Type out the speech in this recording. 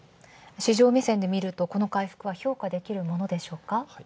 市場目線でいうとこの回復は評価できるものでしょうか？